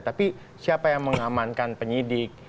tapi siapa yang mengamankan penyidik